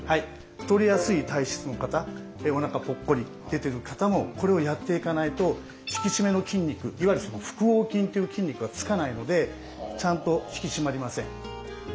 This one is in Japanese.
太りやすい体質の方おなかポッコリ出ている方もこれをやっていかないと引き締めの筋肉いわゆる腹横筋という筋肉がつかないのでちゃんと引き締まりません。